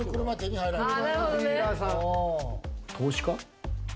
投資家？